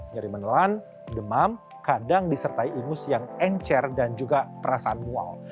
dari menelan demam kadang disertai ingus yang encer dan juga perasaan mual